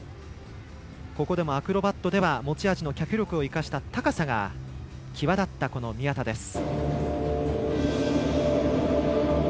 ここでもアクロバットでは持ち味の脚力を生かした高さが際立った宮田です。